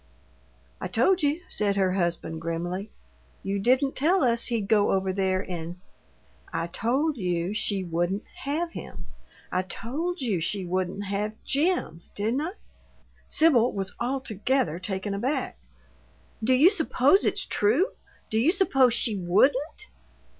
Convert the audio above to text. "I told you," said her husband, grimly. "You didn't tell us he'd go over there and " "I told you she wouldn't have him. I told you she wouldn't have JIM, didn't I?" Sibyl was altogether taken aback. "Do you supose it's true? Do you suppose she WOULDN'T?"